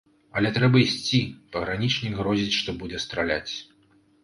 Але трэба ісці, пагранічнік грозіць, што будзе страляць.